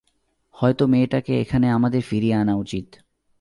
হয়তো মেয়েটাকে এখানে আমাদের ফিরিয়ে আনা উচিত।